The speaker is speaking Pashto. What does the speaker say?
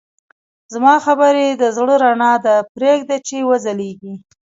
زما خبرې د زړه رڼا ده، پرېږده چې وځلېږي.